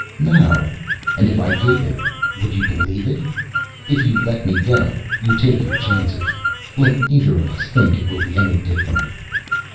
"No. And if I gave it would you believe it? If you let me go, you take your chances. Let neither of us think it will be any different."